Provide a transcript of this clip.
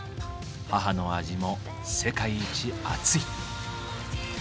母の味も世界一あつい。